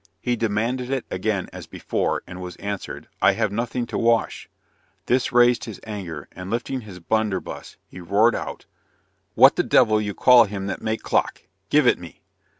He demanded it again as before; and was answered, "I have nothing to wash;" this raised his anger, and lifting his blunderbuss, he roared out, "what the d l you call him that make clock? give it me."